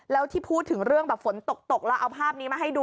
แล้วที่พูดถึงเรื่องแบบฝนตกตกแล้วเอาภาพนี้มาให้ดู